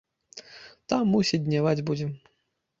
Там, мусіць, дняваць будзем.